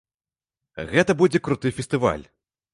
Гэта будзе круты фестываль!